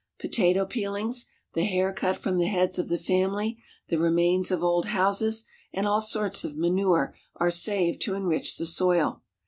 Potato peelings, the hair cut from the heads of the family, the remains of old houses, and all sorts of manure are saved to enrich the soil.